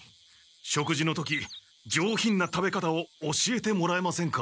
食事の時上品な食べ方を教えてもらえませんか？